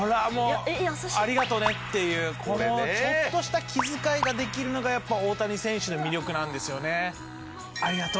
「ありがとね」っていうこのちょっとした気遣いができるのがやっぱ大谷選手の魅力なんですよね。